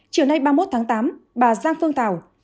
chiều nay ba mươi một tháng tám bà giang phương thảo